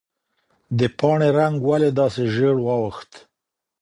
د پاڼې رنګ ولې داسې ژېړ واوښت؟